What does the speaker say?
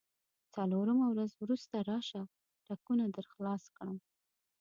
څلورمه ورځ وروسته راشه، ټکونه درخلاص کړم.